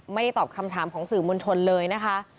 ไม่ได้ตอบคำถามของสื่อมวลชนเลยนะคะ